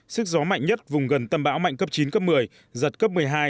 sức gió mạnh nhất vùng gần tâm bão mạnh cấp chín cấp một mươi giật cấp một mươi hai